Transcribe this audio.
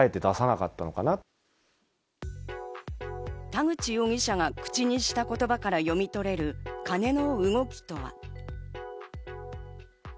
田口容疑者が口にした言葉から読み取れる金の動きとは？